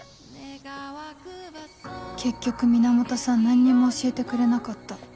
結局源さん何にも教えてくれなかった